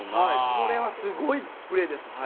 これはすごいプレーです。